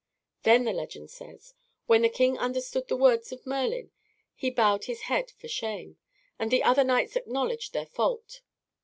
Then the legend says, "When the king understood the words of Merlin, he bowed his head for shame," and the other knights acknowledged their fault.